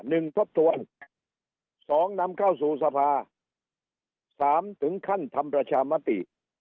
ทบทวนสองนำเข้าสู่สภาสามถึงขั้นทำประชามติ